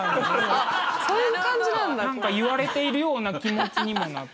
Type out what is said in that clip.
なんか言われているような気持ちにもなって。